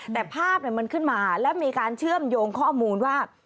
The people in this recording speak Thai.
แต่ภาพมันขึ้นมาและมีการเชื่อมโยงข้อมูลว่า